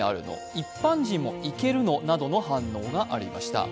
一般人も行けるの？などの反応がありました。